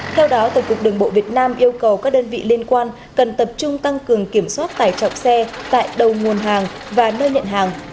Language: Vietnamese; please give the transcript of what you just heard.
theo đó tổng cục đường bộ việt nam yêu cầu các đơn vị liên quan cần tập trung tăng cường kiểm soát tải trọng xe tại đầu nguồn hàng và nơi nhận hàng